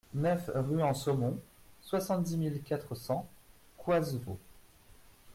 neuf rue En Saumon, soixante-dix mille quatre cents Coisevaux